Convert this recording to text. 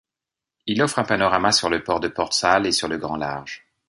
Il offre un panorama sur le port de Portsall et sur le grand large.